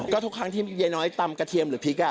ก็ทุกครั้งที่ยายน้อยตำกระเทียมหรือพริก